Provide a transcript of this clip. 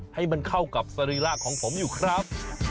ให้มันเข้ากับสรีระของผมอยู่ครับ